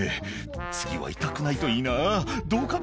「次は痛くないといいなどうかな？